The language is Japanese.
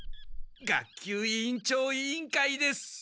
学級委員長委員会です。